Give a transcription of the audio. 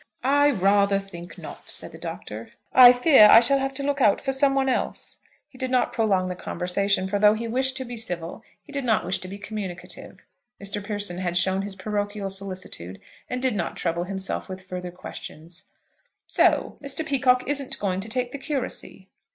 "I rather think not," said the Doctor. "I fear I shall have to look out for some one else." He did not prolong the conversation; for, though he wished to be civil, he did not wish to be communicative. Mr. Pearson had shown his parochial solicitude, and did not trouble himself with further questions. "So Mr. Peacocke isn't going to take the curacy?"